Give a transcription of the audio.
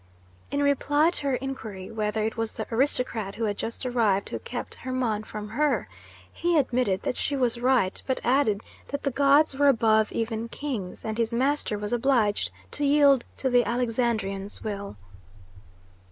In reply to her inquiry whether it was the aristocrat who had just arrived who kept Hermon from her, he admitted that she was right, but added that the gods were above even kings, and his master was obliged to yield to the Alexandrian's will.